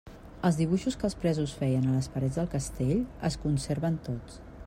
Els dibuixos que els presos feien a les parets del castell es conserven tots.